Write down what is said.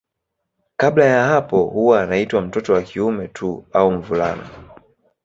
Kabla ya hapo huwa anaitwa mtoto wa kiume tu au mvulana.